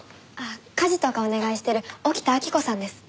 家事とかお願いしてる沖田晃子さんです。